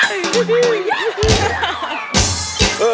ยังยังยัง